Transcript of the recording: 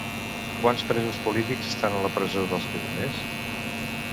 Quants presos polítics estan a la presó dels Lledoners?